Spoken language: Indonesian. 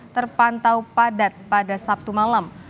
terpantau padat pada sabtu malam